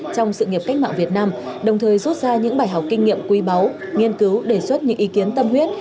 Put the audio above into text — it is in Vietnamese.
trong sự nghiệp cách mạng việt nam đồng thời rút ra những bài học kinh nghiệm quý báu nghiên cứu đề xuất những ý kiến tâm huyết